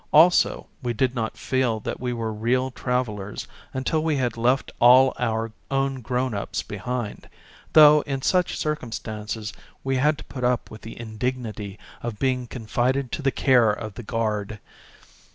Also we did not feel that we were real travellers until we had left all our own grown ups behind, though in such circumstances we had to put up with the indignity of being con fided to the care of the guard.